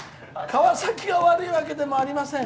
川崎が悪いわけでもありません。